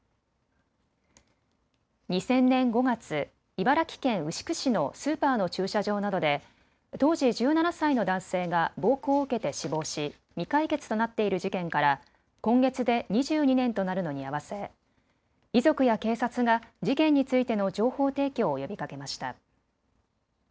２０００年５月、茨城県牛久市のスーパーの駐車場などで当時１７歳の男性が暴行を受けて死亡し、未解決となっている事件から今月で２２年となるのに合わせ遺族や警察が事件についての情報提供を呼びかけました。